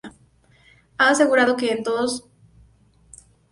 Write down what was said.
Ha asegurado que "en todos he trabajado por casualidad".